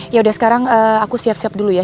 yaudah sekarang aku siap siap dulu ya